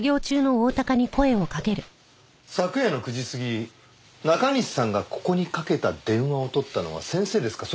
昨夜の９時過ぎ中西さんがここにかけた電話を取ったのは先生ですか？